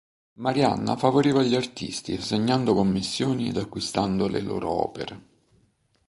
Marianna favoriva gli artisti assegnando commissioni ed acquistando le loro opere.